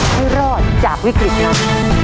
ให้รอดจากวิกฤตนั้น